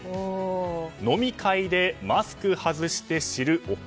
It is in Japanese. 「飲み会でマスク外して知るお顔。」。